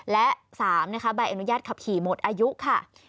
และ๓นะคะใบอนุญาตขับขี่หมดอายุค่ะ